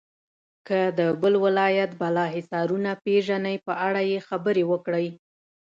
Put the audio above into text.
که د بل ولایت بالا حصارونه پیژنئ په اړه یې خبرې وکړئ.